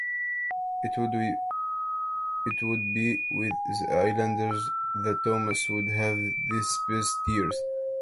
It would be with the Islanders that Thomas would have his best years.